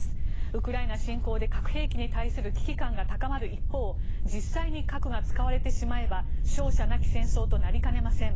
ウクライナ侵攻で核兵器に対する危機感が高まる一方実際に核が使われてしまえば勝者なき戦争となりかねません。